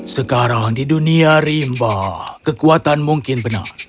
sekarang di dunia rimba kekuatan mungkin benar